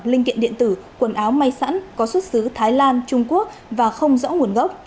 linh kiện điện tử quần áo may sẵn có xuất xứ thái lan trung quốc và không rõ nguồn gốc